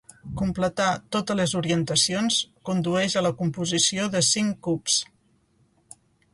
Completar totes les orientacions condueix a la composició de cinc cubs.